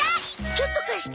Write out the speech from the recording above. ちょっと貸して。